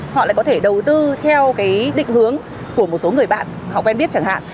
họ lại có thể đầu tư theo cái định hướng của một số người bạn họ quen biết chẳng hạn